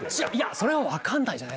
それは分かんないじゃない。